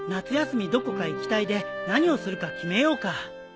どこか行き隊で何をするか決めようか。